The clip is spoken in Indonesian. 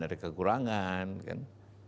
ada kekurangan kan